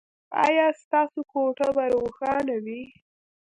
ایا ستاسو کوټه به روښانه وي؟